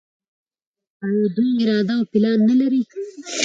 آیا دوی اراده او پلان نلري؟